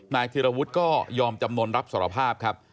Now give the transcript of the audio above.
ธิรวุฒิก็ยอมจำนวนรับสารภาพครับ